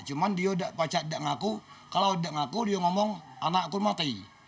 cuma dia tidak ngaku kalau tidak ngaku dia ngomong anakku mati